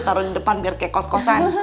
taruh di depan biar kayak kos kosan